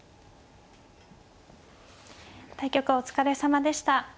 対局お疲れさまでした。